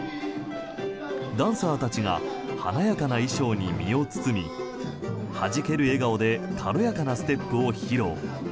ダンサーたちが華やかな衣装に身を包みはじける笑顔で軽やかなステップを披露。